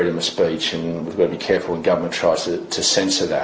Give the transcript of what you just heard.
dan kita harus berhati hati ketika pemerintah mencoba untuk menghapusnya